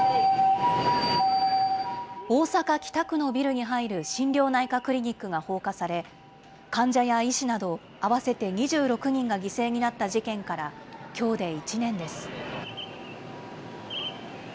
大阪・北区のビルに入る心療内科クリニックが放火され、患者や医師など、合わせて２６人が犠牲になった事件から、きょうで１年です。